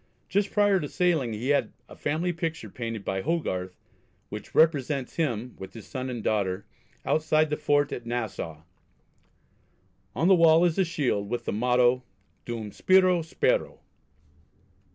Just prior to sailing he had a family picture painted by Hogarth, which represents him, with his son and daughter, outside the fort at Nassau. On the wall is a shield, with the motto "Dum spiro, spero."